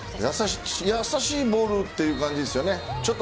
優しいボールという感じですよね。